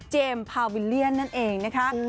พาวิลเลียนนั่นเองนะคะ